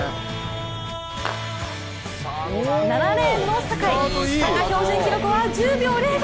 ７レーンの坂井、参加標準記録は１０秒０５。